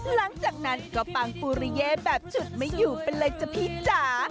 หลังจากนั้นก็ปังปุริเย่แบบฉุดไม่อยู่ไปเลยจ้ะพี่จ๋า